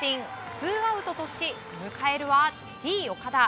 ツーアウトとし迎えるは、Ｔ‐岡田。